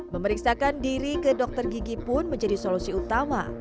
memeriksakan diri ke dokter gigi pun menjadi solusi utama